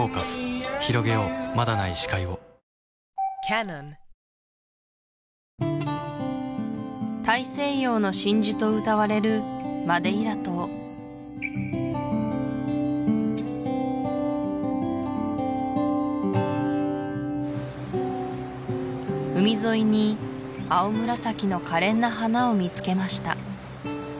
まだない視界を大西洋の真珠とうたわれるマデイラ島海沿いに青紫のかれんな花を見つけました